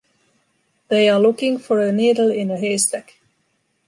They are looking for a needle in a haystack.